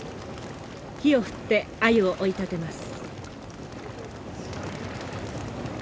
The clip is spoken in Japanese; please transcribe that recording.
火を振ってアユを追い立てます。